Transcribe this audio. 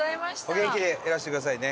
お元気でいらしてくださいね